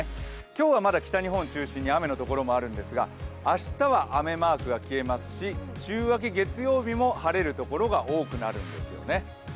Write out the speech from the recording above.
今日はまだ北日本中心に雨のところもあるんですが、明日は雨マークが消えますし週明け月曜日も晴れる所が多くなるんですよね。